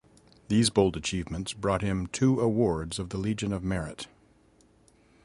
These bold achievements brought him two awards of the Legion of Merit.